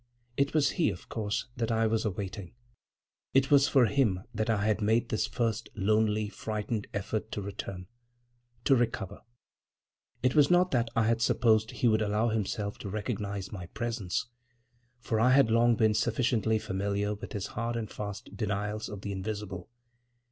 It was he, of course, that I was awaiting. It was for him that I had made this first lonely, frightened effort to return, to recover.... It was not that I had supposed he would allow himself to recognize my presence, for I had long been sufficiently familiar with his hard and fast denials of the invisible.